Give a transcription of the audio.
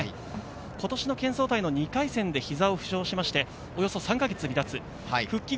今年の県総体の２回戦で膝を負傷して、およそ３か月、離脱。